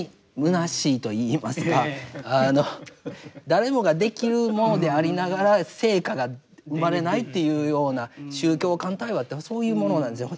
誰もができるものでありながら成果が生まれないっていうような宗教間対話ってそういうものなんですよ。